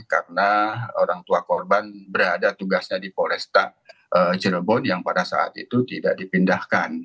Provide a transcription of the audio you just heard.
karena orang tua korban berada tugasnya di polresta cirebon yang pada saat itu tidak dipindahkan